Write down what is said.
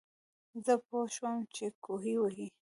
زۀ پوهه شوم چې کوهے وهي